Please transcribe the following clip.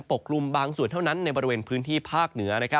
กลุ่มบางส่วนเท่านั้นในบริเวณพื้นที่ภาคเหนือ